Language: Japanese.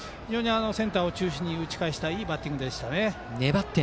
センターに打ち返したいいバッティングでした。